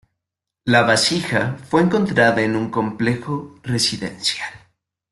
La vasija fue encontrada en un complejo residencial.